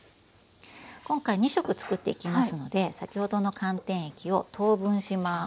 今回２色作っていきますので先ほどの寒天液を等分します。